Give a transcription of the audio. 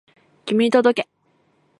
君に届け